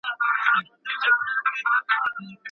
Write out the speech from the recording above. ټولنيز چاپيريال پر انسان تاثير لري.